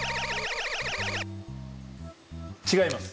違います。